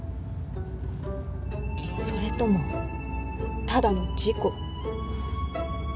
それともただの事故？